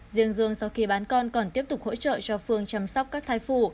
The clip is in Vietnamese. riêng dương sau khi bán con còn tiếp tục hỗ trợ cho phương chăm sóc các thai phụ